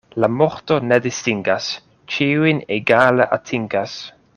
La morto ne distingas, ĉiujn egale atingas.